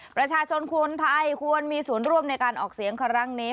ประชาชนคนไทยควรมีส่วนร่วมในการออกเสียงครั้งนี้